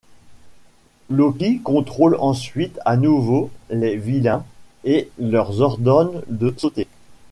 Loki contrôle ensuite à nouveau les vilains et leur ordonne de sauter.